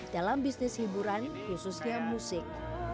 dalam bisnis hiburan khususnya musik